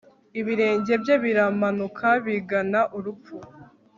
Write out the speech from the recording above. ibirenge bye biramanuka bigana urupfu